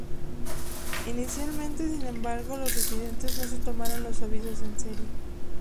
Inicialmente, sin embargo, los residentes no se tomaron los avisos en serio.